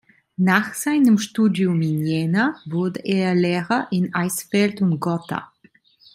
Nach seinem Studium in Jena wurde er Lehrer in Eisfeld und Gotha.